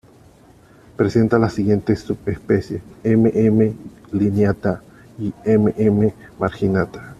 Presenta las siguientes subespecies: "M. m. lineata" y "M. m. marginata".